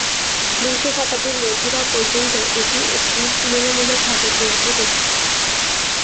বিংশ শতাব্দীর মধ্যভাগ পর্যন্তও এটি একটি তুলনামূলকভাবে দরিদ্র দেশ ছিল।